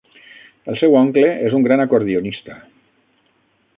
El seu oncle és un gran acordionista.